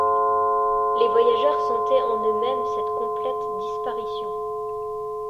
Les voyageurs sentaient en eux-mêmes cette complète disparition.